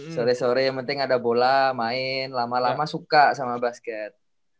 sore sore yang penting ada bola main lama lama suka sama basket